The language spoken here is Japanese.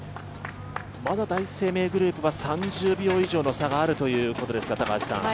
まだ第一生命グループは３０秒以上の差があるということですが。